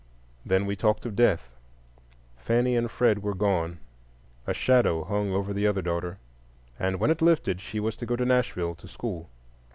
Then we talked of death: Fanny and Fred were gone; a shadow hung over the other daughter, and when it lifted she was to go to Nashville to school.